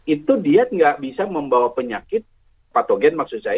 itu dia tidak bisa membawa penyakit patogen maksud saya